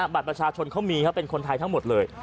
บัตรประชาชนเขามีครับเป็นคนไทยทั้งหมดเลย